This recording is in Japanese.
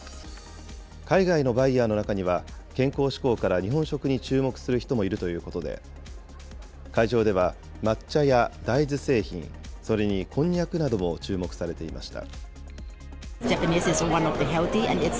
海外のバイヤーの中には、健康志向から日本食に注目する人もいるということで、会場では、抹茶や大豆製品、それにこんにゃくなども注目されていました。